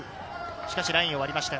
しかしラインを割りました。